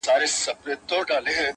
په هر قتل هر آفت کي به دى ياد وو-